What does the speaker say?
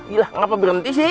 gila kenapa berhenti sih